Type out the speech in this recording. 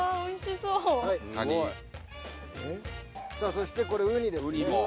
そしてこれウニですね。